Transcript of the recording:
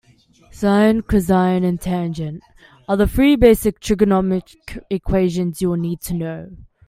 Sine, cosine and tangent are three basic trigonometric equations you'll need to know.